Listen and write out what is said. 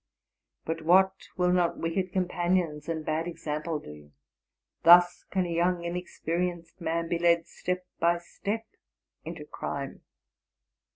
But what will not wicked companions and bad example do! Thus can a young, inexperienced man be led step by step into crime!